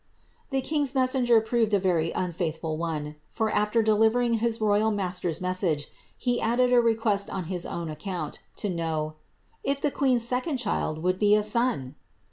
The king^s messenger proved a very unfaithful one, for after delivering hia royal master's message, he added a refpiest on his own account, to know ••if the queen s second child would be a son?"